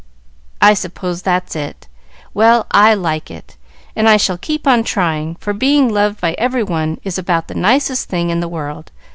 "I suppose that's it. Well, I like it, and I shall keep on trying, for being loved by every one is about the nicest thing in the world.